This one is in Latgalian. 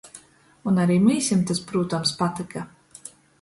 Un ari myusim tys, prūtams, patyka.